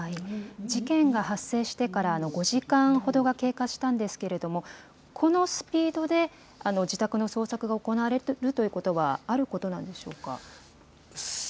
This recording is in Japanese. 事件が発生してから５時間ほどが経過したんですけれども、このスピードで自宅の捜索が行われるということは、あることなんでしょうか。